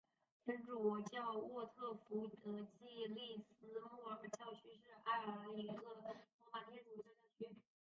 天主教沃特福德暨利斯莫尔教区是爱尔兰一个罗马天主教教区。